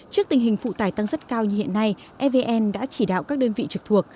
trước tình hình phụ tải tăng rất cao như hiện nay evn đã chỉ đạo các đơn vị trực thuộc